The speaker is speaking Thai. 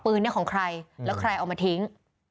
ของใครแล้วใครเอามาทิ้ง